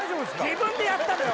自分でやったのよ